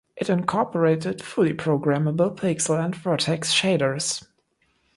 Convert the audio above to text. It incorporated fully programmable pixel and vertex shaders.